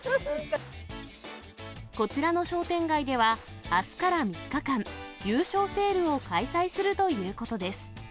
こちらの商店街では、あすから３日間、優勝セールを開催するということです。